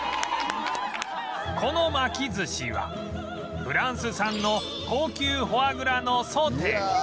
この巻き寿司はフランス産の高級フォアグラのソテー